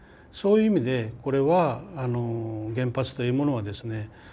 そういう意味でこれは原発というものはですね